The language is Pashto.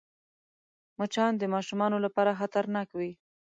مچان د ماشومانو لپاره خطرناک وي